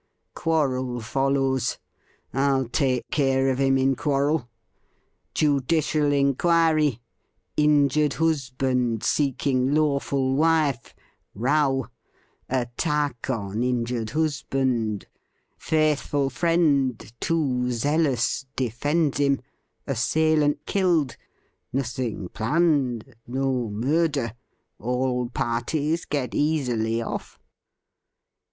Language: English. Quarrel follows — I'll take care of him in quarrel. Judicial inquiry — injured husband seek ing lawful wife — row — attack on injured husband — faithful friend, too zealous, defends him — assailant killed — nothing planned — no murder — all parties get easily oflF.